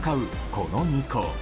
この２校。